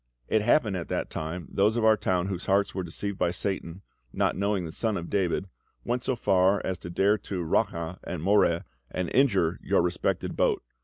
It happened at that time those of our town whose hearts were deceived by Satan, not knowing the Son of David, went so far as to dare to 'raca' and 'moreh' and injure your respected boat.